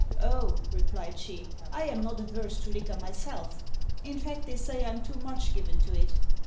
"Oh," replied Ch'ê, "I am not averse to liquor myself; in fact they say I'm too much given to it.